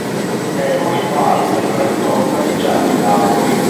È l'unico album raccolta di Gianni Davoli.